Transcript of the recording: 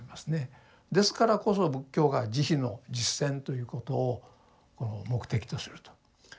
ですからこそ仏教が「慈悲の実践」ということをこの目的とすると。